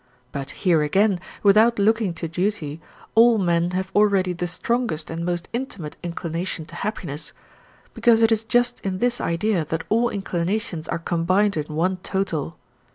But here again, without looking to duty, all men have already the strongest and most intimate inclination to happiness, because it is just in this idea that all inclinations are combined in one total.